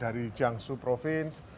dari jiangsu province